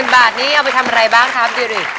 บาทนี้เอาไปทำอะไรบ้างครับดิริ